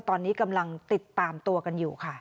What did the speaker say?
ตอนนี้กำลังติดตามตัวกันอยู่ค่ะ